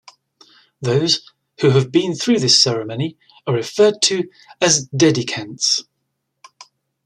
Those who have been through this ceremony are referred to as "Dedicants".